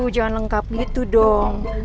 jangan lengkap gitu dong